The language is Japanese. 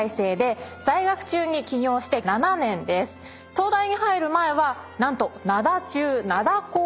東大に入る前は何と。